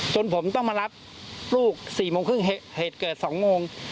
จนผมต้องมารับลูก๔โมงครึ่งเหตุเกิด๒โมง